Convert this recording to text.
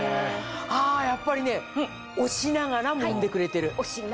やっぱりね押しながらもんでくれてる。